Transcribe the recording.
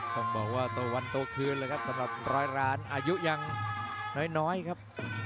ต้องบอกว่าโตวันโตคืนเลยครับสำหรับร้อยล้านอายุยังน้อยครับ